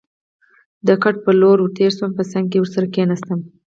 د کټ په لور ور تېر شوم، په څنګ کې ورسره کېناستم.